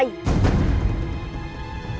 kita harus berhenti